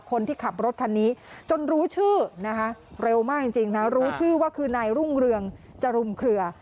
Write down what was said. คนที่ขับรถคันนี้จนรู้ชื่อนะคะเร็วมากจริงนะรู้ชื่อว่าคือนายรุ่งเรืองจรุมเครือ